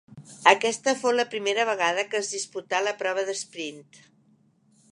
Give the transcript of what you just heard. Aquesta fou la primera vegada que es disputà la prova d'esprint.